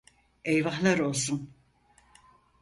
Eyvahlar olsun!